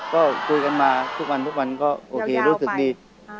ก็คุยกันมาทุกวันทุกวันก็โอเครู้สึกดี